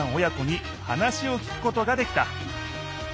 親子に話を聞くことができた。